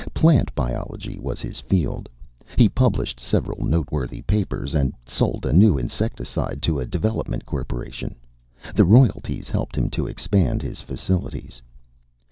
Plant biology was his field. He published several noteworthy papers, and sold a new insecticide to a development corporation. The royalties helped him to expand his facilities.